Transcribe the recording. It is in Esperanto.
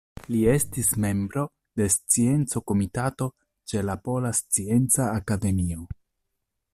Li estis membro de Scienco-Komitato ĉe la Pola Scienca Akademio.